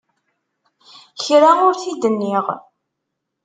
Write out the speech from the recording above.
Kra ur t-id-nniɣ.